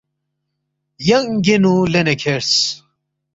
ینگ گینُو لینے کھیرس